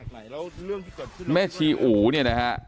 ไหนแล้วเรื่องที่เกิดขึ้นแม่ชีอู๋เนี่ยนะฮะ